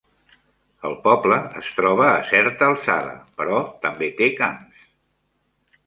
El poble és troba a certa alçada, però també té camps.